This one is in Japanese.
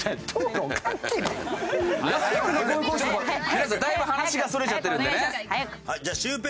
皆さんだいぶ話がそれちゃってるんでね。